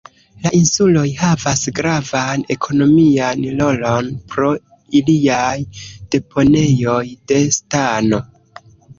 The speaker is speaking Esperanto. La insuloj havas gravan ekonomian rolon pro iliaj deponejoj de stano.